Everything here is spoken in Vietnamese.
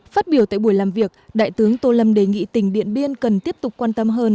phát biểu tại buổi làm việc đại tướng tô lâm đề nghị tỉnh điện biên cần tiếp tục quan tâm hơn